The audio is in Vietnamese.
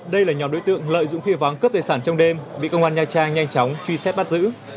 đây là nhóm đối tượng lợi dụng khi vắng cướp tài sản trong đêm bị công an nha trang nhanh chóng truy xét bắt giữ